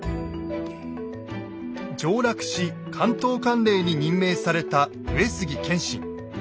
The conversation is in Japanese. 上洛し関東管領に任命された上杉謙信。